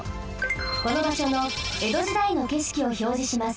このばしょの江戸時代のけしきをひょうじします。